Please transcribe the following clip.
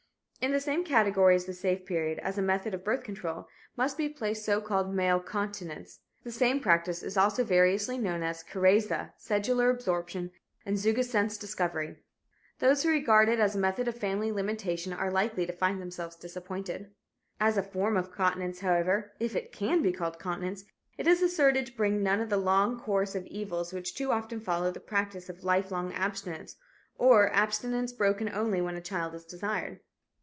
In the same category as the "safe period," as a method of birth control, must be placed so called "male continence." The same practice is also variously known as "Karezza," "Sedular Absorption" and "Zugassent's Discovery." Those who regard it as a method of family limitation are likely to find themselves disappointed. As a form of continence, however, if it can be called continence, it is asserted to bring none of the long course of evils which too often follow the practice of lifelong abstinence, or abstinence broken only when a child is desired.